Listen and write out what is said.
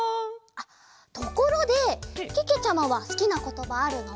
ところでけけちゃまはすきなことばあるの？